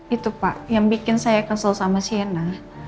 itu pak yang bikin saya kesel sama siena